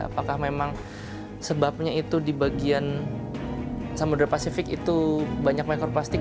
apakah memang sebabnya itu di bagian samudera pasifik itu banyak mikroplastik